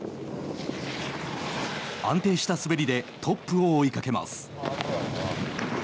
安定した滑りでトップを追いかけます。